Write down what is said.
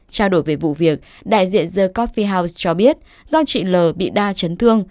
trao đổi về vụ việc đại diện the coffee house cho biết do chị l bị đa chấn thương